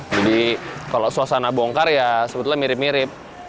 jadi kalau suasana bongkar ya sebetulnya mirip mirip